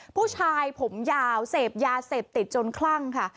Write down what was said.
ผู้ชายผมยาวเสพยาเสพติดจนคลั่งค่ะ